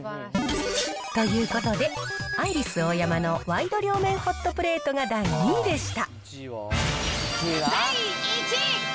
ということで、アイリスオーヤマのワイド両面ホットプレートが第２位でした。